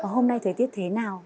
hôm nay thời tiết thế nào